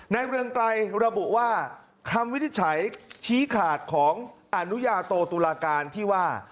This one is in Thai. เรืองไกรระบุว่าคำวินิจฉัยชี้ขาดของอนุญาโตตุลาการที่ว่า